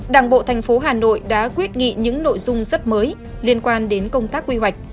đảng bộ thành phố hà nội đã quyết nghị những nội dung rất mới liên quan đến công tác quy hoạch